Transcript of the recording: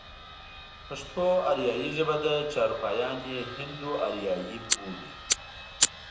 پښتو آريايي ژبه ده چې اروپايان يې هند و آريايي بولي.